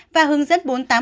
và hướng dẫn bốn tháng